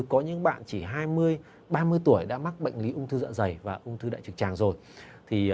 có những bạn chỉ hai mươi ba mươi tuổi đã mắc bệnh lý ung thư dạ dày và ung thư đại trực tràng rồi